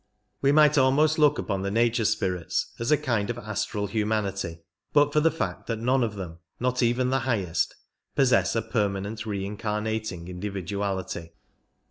We might almost look upon the nature spirits as a kind of astral humanity, but for the fact that none of them — not even the highest — possess a permanent reincarnating individu ality.